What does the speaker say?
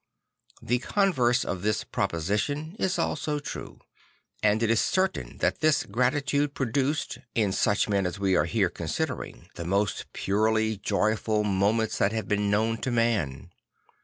The converse of this proposi tion is also true; and it is certain that this grati tude produced, in such men as we are here con sidering, the most purely joyful moments that have been known to man.